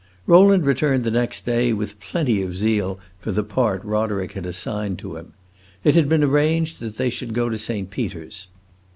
Rowland returned the next day, with plenty of zeal for the part Roderick had assigned to him. It had been arranged that they should go to Saint Peter's.